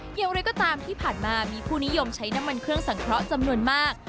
อย่างไรก็ตามที่ผ่านมามีผู้นิยมใช้น้ำมันเครื่องสังเคราะห์จำนวนมาก